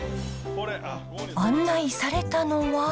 案内されたのは。